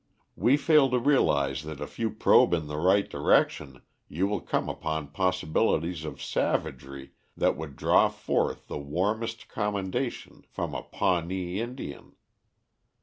We fail to realise that if you probe in the right direction you will come upon possibilities of savagery that would draw forth the warmest commendation from a Pawnee Indian.